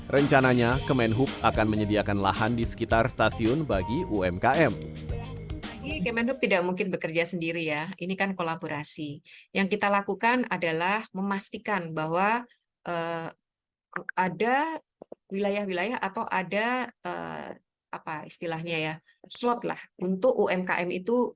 rencananya kemenhub akan menyediakan lahan di sekitar stasiun bagi umkm